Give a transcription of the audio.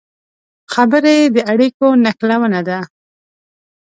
خبرې د اړیکو نښلونه ده